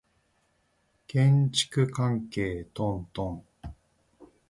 建築関係トントン